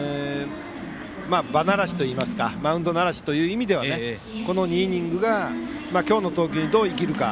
場慣らしといいますかマウンド慣らしという意味ではこの２イニングが今日の投球にどう生きるか。